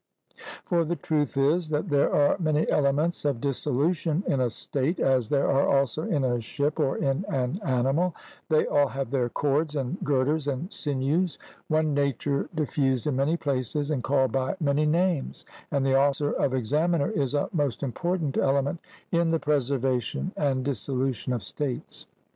For the truth is, that there are many elements of dissolution in a state, as there are also in a ship, or in an animal; they all have their cords, and girders, and sinews one nature diffused in many places, and called by many names; and the office of examiner is a most important element in the preservation and dissolution of states.